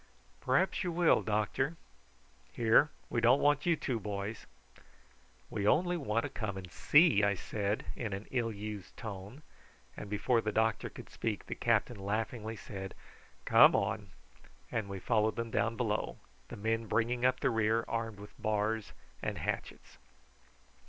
"P'r'aps you will, doctor. Here, we don't want you two boys." "We only want to come and see," I said in an ill used tone; and before the doctor could speak the captain laughingly said, "Come on," and we followed them down below, the men bringing up the rear, armed with bars and hatchets.